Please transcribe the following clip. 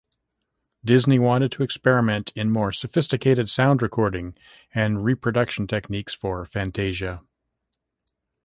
Disney wanted to experiment in more sophisticated sound recording and reproduction techniques for "Fantasia".